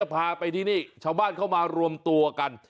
พาไปที่นี่ชาวบ้านเข้ามารวมตัวกัน